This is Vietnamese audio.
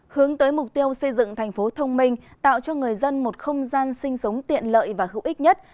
hướng tới mục tiêu xây dựng thành phố thông minh tạo cho người dân một không gian sinh sống tiện lợi và hữu ích nhất